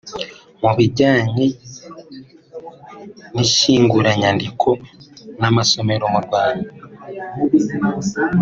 mu bijyanye n’ishyinguranyandiko n’amasomero mu Rwanda